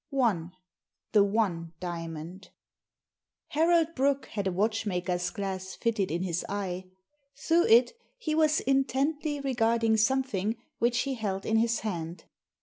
— THE ONE DIAMOND HAROLD BROOKE had a watchmaker's glass fitted in his eye. Through it he was intently regarding something which he held in his hand.